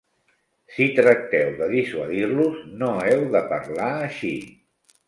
Si tracteu de dissuadir-los, no heu de parlar així.